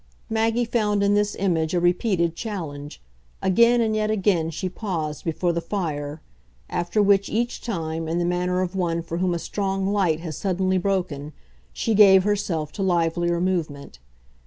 Maggie found in this image a repeated challenge; again and yet again she paused before the fire: after which, each time, in the manner of one for whom a strong light has suddenly broken, she gave herself to livelier movement.